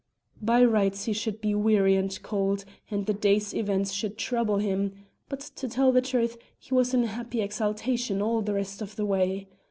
By rights he should be weary and cold, and the day's events should trouble him; but to tell the truth, he was in a happy exaltation all the rest of the way.